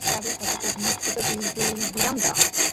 কাজ কথা কউক, মুখকে বিরাম দাও।